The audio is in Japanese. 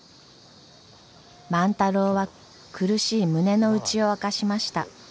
万太郎は苦しい胸の内を明かしました。